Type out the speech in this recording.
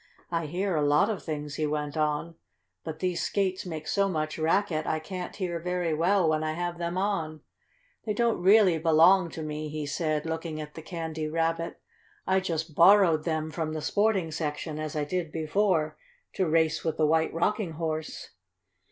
"I hear a lot of things," he went on, "but these skates make so much racket I can't hear very well when I have them on. They don't really belong to me," he said, looking at the Candy Rabbit. "I just borrowed them from the sporting section, as I did before, to race with the White Rocking Horse."